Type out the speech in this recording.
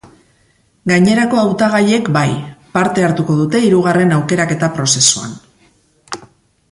Gainerako hautagaiek bai, parte hartuko dute hirugarren aukeraketa prozesuan.